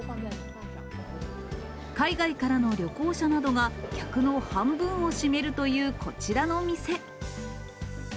海外からの旅行者などが、客の半分を占めるというこちらの店。